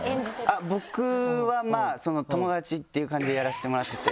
僕はまぁ友達っていう感じでやらせてもらってて。